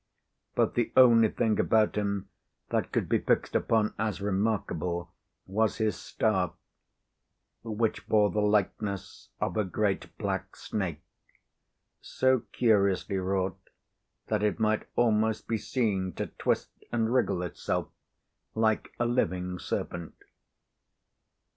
But the only thing about him that could be fixed upon as remarkable was his staff, which bore the likeness of a great black snake, so curiously wrought that it might almost be seen to twist and wriggle itself like a living serpent.